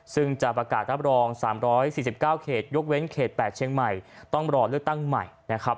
ซึ่งจะประกาศรับรอง๓๔๙เขตยกเว้นเขต๘เชียงใหม่ต้องรอเลือกตั้งใหม่นะครับ